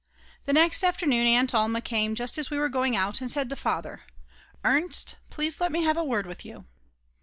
The next afternoon Aunt Alma came just as we were going out and said to Father: Ernst, please let me have a word with you.